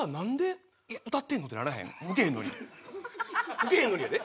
ウケへんのにやで。